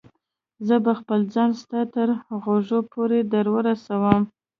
زه به خپل ځان ستا تر غوږو پورې در ورسوم.